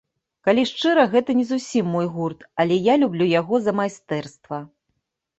Калі шчыра, гэта не зусім мой гурт, але я люблю яго за майстэрства.